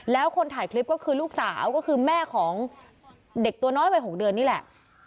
แล้วคนถ่ายคลิปก็คือลูกสาวก็คือแม่ของเด็กตัวน้อยวัย๖เดือนนี่แหละ